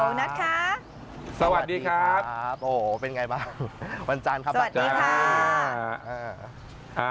ฮัลโหลนัทครับสวัสดีครับโอ้โหเป็นไงบ้างวันจานครับสวัสดีค่ะ